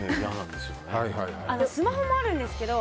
スマホもあるんですけど